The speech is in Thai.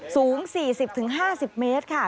สูง๔๐๕๐เมตรค่ะ